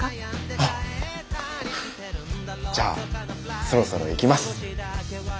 あっじゃあそろそろ行きます。